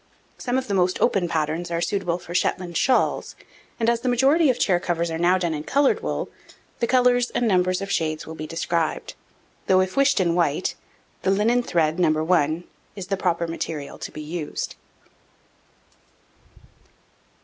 Some of the most open patterns are suitable for Shetland shawls; and as the majority of the chair covers are now done in coloured wool, the colours and number of shades will be described; though, if wished in white, the linen thread, No. 1, is the proper material to be used.